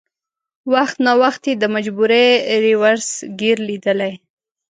وخت ناوخت یې د مجبورۍ رېورس ګیر لېدلی.